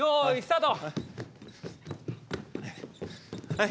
はい。